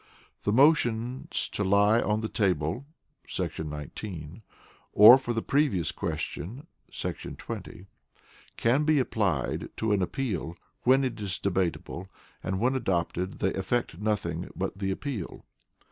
The motions to Lie on the Table [§ 19], or for the Previous Question [§ 20], can be applied to an Appeal, when it is debatable, and when adopted they affect nothing but the Appeal.